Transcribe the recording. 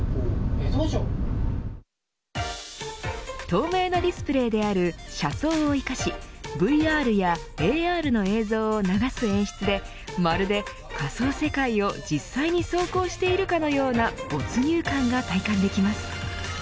透明なディスプレーである車窓を生かしＶＲやＡＲの映像を流す演出でまるで仮想世界を実際に走行しているかのような没入感が体感できます。